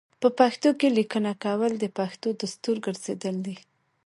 په پښتو کې لیکنه کول د پښتنو دستور ګرځیدلی دی.